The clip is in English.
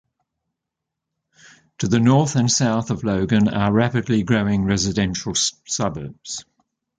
To the north and south of Logan are rapidly growing residential suburbs.